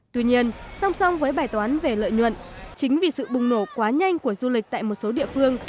tuy nhiên song song với bài toán về lợi nhuận chính vì sự bùng nổ quá nhanh của du lịch tại một số địa phương